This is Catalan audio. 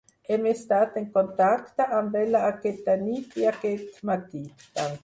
Hem estat en contacte amb ella aquesta nit i aquest matí.